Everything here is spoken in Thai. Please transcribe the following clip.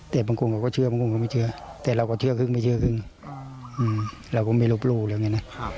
แต่บางคนเขาก็เชื่อบางคนก็ไม่เชื่อแต่เราก็เชื่อครึ่งไม่เชื่อครึ่งเราก็ไม่รบรู้แล้วไงนะ